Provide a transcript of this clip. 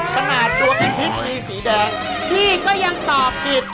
ขนาดดวงพิชิตมีสีแดงพี่ก็ยังตอบผิด